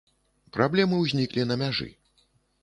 Праблемы ўзніклі на мяжы.